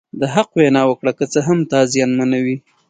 د حق وینا وکړه که څه هم تا زیانمنوي.